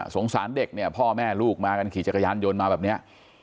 สารเด็กเนี่ยพ่อแม่ลูกมากันขี่จักรยานยนต์มาแบบนี้